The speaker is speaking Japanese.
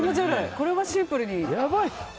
これはシンプルに。